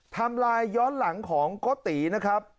ไลน์ย้อนหลังของโกตินะครับ